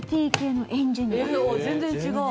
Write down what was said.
全然違う。